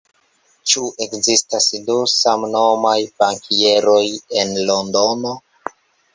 Ĉu ekzistas du samnomaj bankieroj en Londono?